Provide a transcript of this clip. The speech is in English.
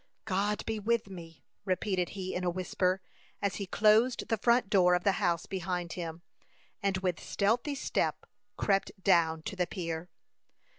"God be with me," repeated he, in a whisper, as he closed the front door of the house behind him, and with stealthy step crept down to the pier.